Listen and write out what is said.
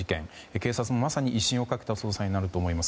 警察もまさに威信をかけた捜査になると思います。